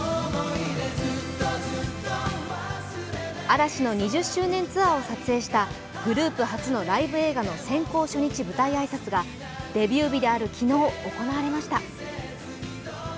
嵐の２０周年ツアーを撮影したグループ初のライブ映画の先行初日舞台挨拶がデビュー日である昨日、行われました。